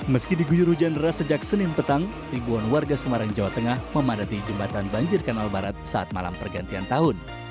meski diguyur hujan deras sejak senin petang ribuan warga semarang jawa tengah memadati jembatan banjir kanal barat saat malam pergantian tahun